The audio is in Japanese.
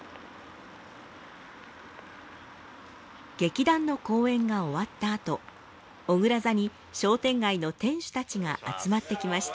劇団の公演が終わったあとおぐら座に商店街の店主たちが集まってきました。